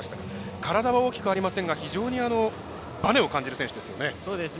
体が大きくはないですが非常にばねを感じる選手ですよね。